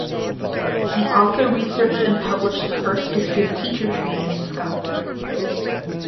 He also researched and published the first history of teacher training in Scotland.